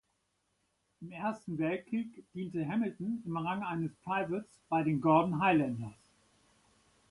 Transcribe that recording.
Im Ersten Weltkrieg diente Hamilton im Rang eines Privates bei den Gordon Highlanders.